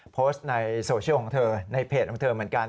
โพสต์ในโซเชียลของเธอในเพจของเธอเหมือนกัน